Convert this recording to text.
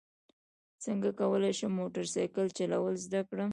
څنګه کولی شم موټر سایکل چلول زده کړم